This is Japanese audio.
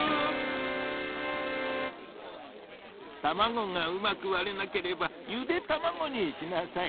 たまごがうまくわれなければゆでたまごにしなさい。